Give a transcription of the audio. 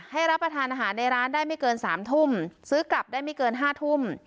รับประทานอาหารในร้านได้ไม่เกิน๓ทุ่มซื้อกลับได้ไม่เกิน๕ทุ่ม